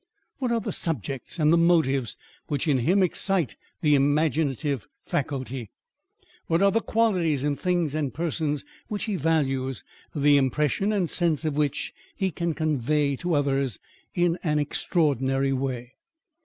What are the subjects and the motives which in him excite the imaginative faculty? What are the qualities in things and persons which he values, the impression and sense of which he can convey to others, in an extraordinary way?